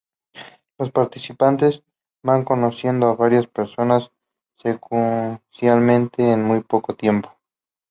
Los participantes van conociendo a varias personas secuencialmente en muy poco tiempo.